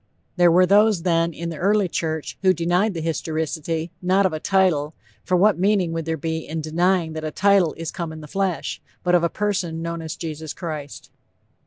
There were those, then, in the early church who denied the historicity, not of a title, for what meaning would there be in denying that a title "is come in the flesh," but of a person, known as _Jesus Christ.